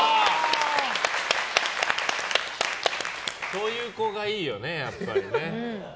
こういう子がいいよねやっぱね。